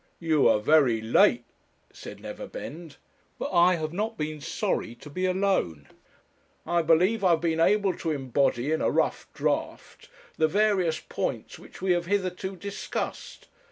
'You are very late,' said Neverbend, 'but I have not been sorry to be alone. I believe I have been able to embody in a rough draft the various points which we have hitherto discussed.